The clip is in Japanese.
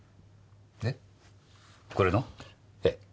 えこれの？ええ。